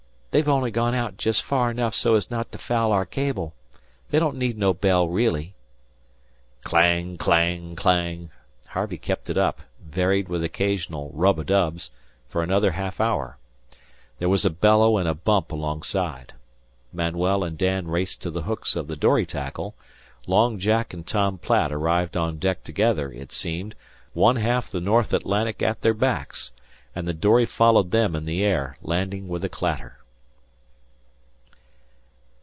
They've only gone out jest far 'nough so's not to foul our cable. They don't need no bell reelly." "Clang! clang! clang!" Harvey kept it up, varied with occasional rub a dubs, for another half hour. There was a bellow and a bump alongside. Manuel and Dan raced to the hooks of the dory tackle; Long Jack and Tom Platt arrived on deck together, it seemed, one half the North Atlantic at their backs, and the dory followed them in the air, landing with a clatter.